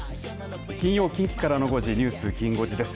金曜近畿からの５時ニュースきん５時です。